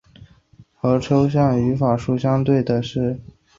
和抽象语法树相对的是具体语法树。